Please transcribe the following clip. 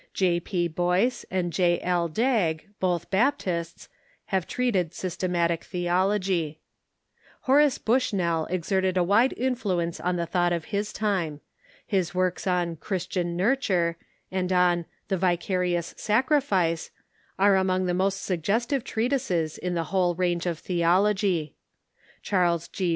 J. P. Boyce and J. L. Dagg, both Baptists, have treated Sys tematic Tbeologv. Horace Bushnell exerted a wide influence 636 THE CHUKCH IN THE UNITED STATES on the thought of his time. His Avorks on "Christian Nurture" and on "The Vicarious Sacrifice" are among the most suggestive treatises in the whole range of theology, Charles G.